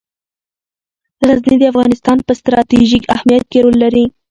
غزني د افغانستان په ستراتیژیک اهمیت کې رول لري.